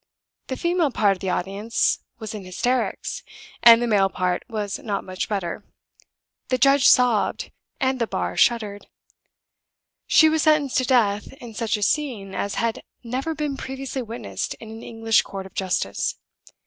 The female part of the audience was in hysterics; and the male part was not much better. The judge sobbed, and the bar shuddered. She was sentenced to death in such a scene as had never been previously witnessed in an English court of justice.